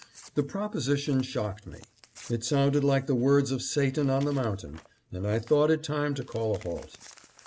" The proposition shocked me. It sounded like the words of Satan on the mountain, and I thought it time to call a halt.